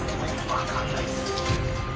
わかんないです。